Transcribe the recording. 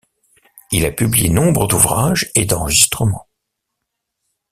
Il a publié nombre d'ouvrages et d'enregistrements.